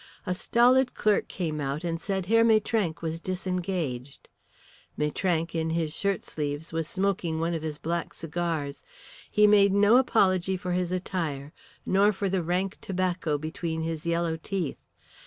A stolid clerk came out and said Herr Maitrank was disengaged. Maitrank, in his shirtsleeves, was smoking one of his black cigars. He made no apology for his attire nor for the rank tobacco between his yellow teeth.